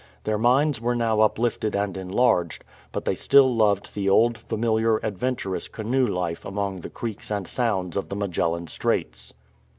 Their minds were now uplifted and enlarged, but they still loved the old, familiar, adventurous canoe life among the creeks and sounds of the Magellan Straits.